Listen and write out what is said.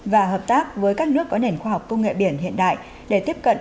và hợp tác với các nước có nền khoa học công nghệ biển hiện đại để tiếp cận